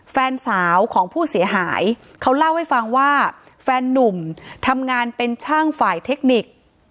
แฟนสาวของผู้เสียหายเขาเล่าให้ฟังว่าแฟนนุ่มทำงานเป็นช่างฝ่ายเทคนิค